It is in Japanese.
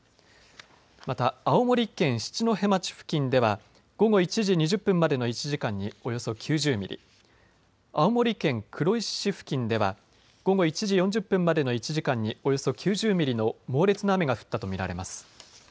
また青森県七戸町付近では午後１時２０分までの１時間におよそ９０ミリ、青森県黒石市付近では午後１時４０分までの１時間におよそ９０ミリの猛烈な雨が降ったと見られます。